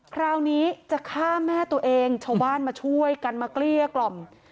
คราวนี้จะฆ่าแม่ตัวเองชาวบ้านมาช่วยกันมาเกลี้ยกล่อม